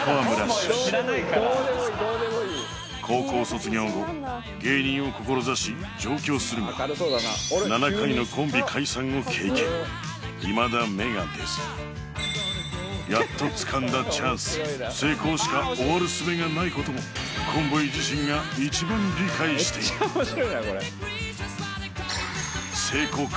出身高校卒業後芸人を志し上京するも７回のコンビ解散を経験いまだ芽が出ず成功しか終わるすべがないこともコンボイ自身が一番理解している成功か